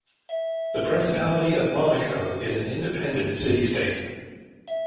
The Principality of Monaco is an independent city-state.